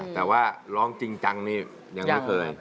แต่ว่าร้องจริงจังนี่ยังไม่เคย